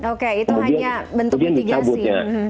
oke itu hanya bentuk mitigasi